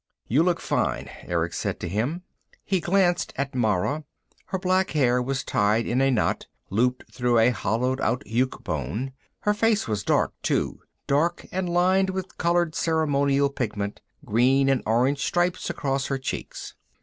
"You look fine," Erick said to him. He glanced at Mara. Her black hair was tied in a knot, looped through a hollowed out yuke bone. Her face was dark, too, dark and lined with colored ceremonial pigment, green and orange stripes across her cheeks.